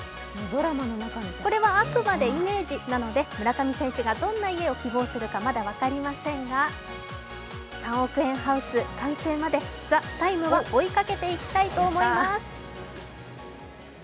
これはあくまでイメージなので村上選手がどんな家を希望するか、まだ分かりませんが、３億円ハウス、完成まで「ＴＨＥＴＩＭＥ，」は追いかけていきたいと思います。